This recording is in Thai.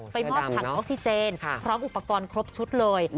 มอบถังออกซิเจนพร้อมอุปกรณ์ครบชุดเลย